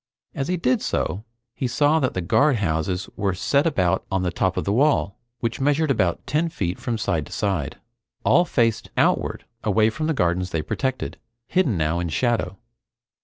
As he did so he saw that the guardhouses were set about on the top of the wall, which measured about ten feet from side to side. All faced outward away from the gardens they protected, hidden now in shadow.